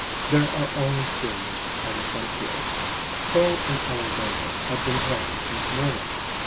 There are always dreamers on the frontier. Carl and Alexandra had been talking since morning.